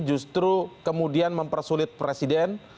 justru kemudian mempersulit presiden